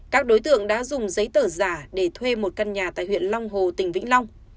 các đối tượng đã dùng giấy tờ giả để thuê một căn nhà tại huyện long hồ tỉnh vĩnh long